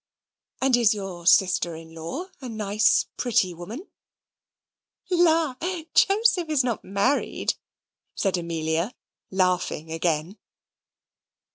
"And is your sister in law a nice pretty woman?" "La! Joseph is not married," said Amelia, laughing again.